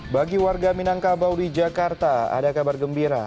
bagi warga minangkabau di jakarta ada kabar gembira